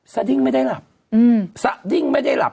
สดิ้งไม่ได้หลับ